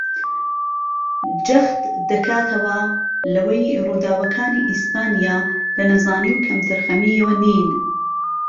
جەخت دەکاتەوە لەوەی ڕووداوەکانی ئیسپانیا لە نەزانی و کەمتەرخەمییەوە نین